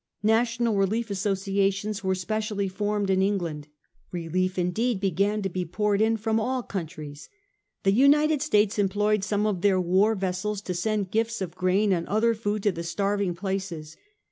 National Relief Asso ciations were specially formed in England. Relief indeed began to be poured in from all countries. The United States employed some of their war vessels to send gifts of grain and other food to the starving places.